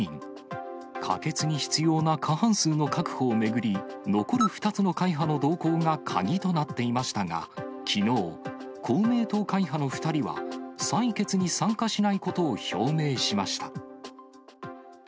可決に必要な過半数の確保を巡り、残る２つの会派の動向が鍵となっていましたがきのう、公明党会派の２人は採決に参加しないことを表明しました。